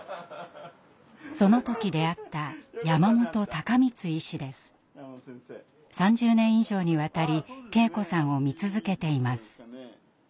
その時出会った３０年以上にわたり圭子さんを見続けています。